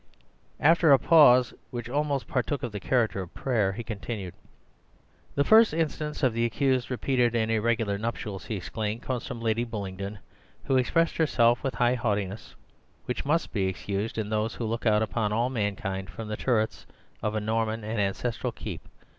After a pause, which almost partook of the character of prayer, he continued. "The first instance of the accused's repeated and irregular nuptials," he exclaimed, "comes from Lady Bullingdon, who expresses herself with the high haughtiness which must be excused in those who look out upon all mankind from the turrets of a Norman and ancestral keep.